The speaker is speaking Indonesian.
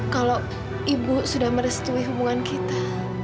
kalau ibu sudah merestui hubungan kita